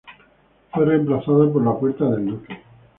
Fue reemplazada por la puerta del Duque.